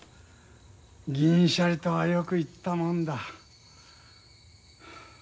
銀シャリとはよく言ったもんだ。